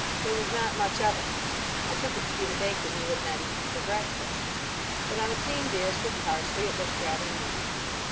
There was not much of it. I took it to be the bacon we had not eaten for breakfast. But on a clean dish with parsley it looked rather neat.